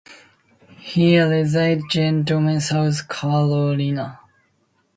He resides in Georgetown, South Carolina.